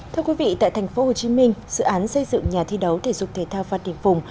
thưa quý vị tại tp hcm dự án xây dựng nhà thi đấu thể dục thể thao phát đình phùng